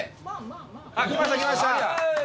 来ました来ました。